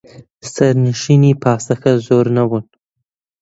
سەرنشینی پاسەکە زۆر نەبوون.